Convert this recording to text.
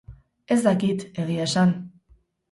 Ez dakit, egia esan.